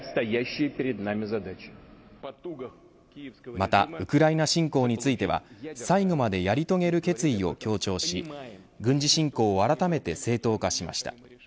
またウクライナ侵攻については最後までやり遂げる決意を強調し軍事侵攻をあらためて正当化しました。